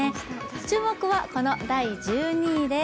注目はこの第１２位です。